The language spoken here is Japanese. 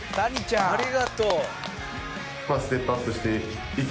ありがとう。